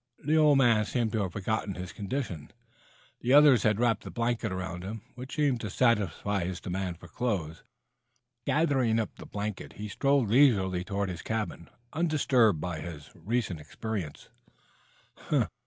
The old man seemed to have forgotten his condition. The others had wrapped a blanket around him, which seemed to satisfy his demand for clothes. Gathering up the blanket he strolled leisurely toward his cabin, undisturbed by his recent experience.